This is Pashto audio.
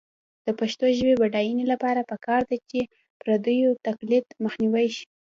د پښتو ژبې د بډاینې لپاره پکار ده چې پردیو تقلید مخنیوی شي.